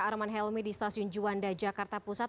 arman helmi di stasiun juanda jakarta pusat